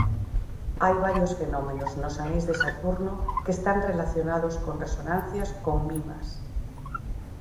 Hai varios fenómenos nos aneis de Saturno que están relacionados con resonancias con Mimas.